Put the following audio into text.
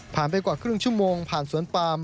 ไปกว่าครึ่งชั่วโมงผ่านสวนปาม